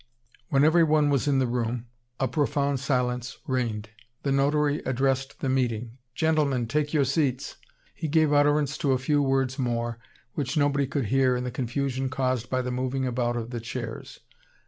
When everyone was in the room, a profound silence reigned. The notary addressed the meeting: "Gentlemen, take your seats." He gave utterance to a few words more, which nobody could hear in the confusion caused by the moving about of the chairs.